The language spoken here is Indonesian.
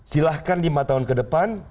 silahkan lima tahun ke depan